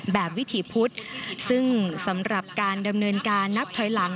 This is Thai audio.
วิถีพุทธซึ่งสำหรับการดำเนินการนับถอยหลัง